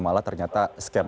malah ternyata scam